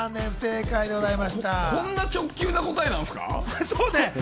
こんな直球な答えなんですか？